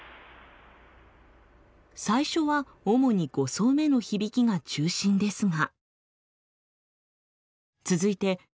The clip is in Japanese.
最初は主に５層目の響きが中心ですが。